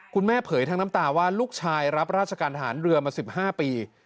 เผยทั้งน้ำตาว่าลูกชายรับราชการทหารเรือมา๑๕ปี